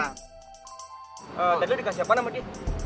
tadi lo dikasih apaan sama ki